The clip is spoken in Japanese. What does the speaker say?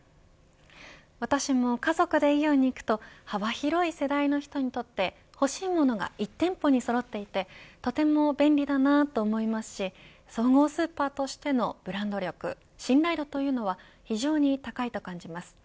私も家族でイオンに行くと幅広い世代の人にとって欲しいものが１店舗にそろっていてとても便利だなと思いますし総合スーパーとしてのブランド力信頼度というのは非常に高いと感じます。